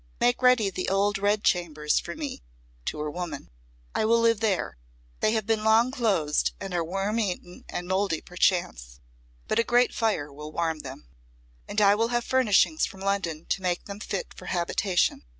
Make ready the old red chambers for me," to her woman; "I will live there. They have been long closed, and are worm eaten and mouldy perchance; but a great fire will warm them. And I will have furnishings from London to make them fit for habitation."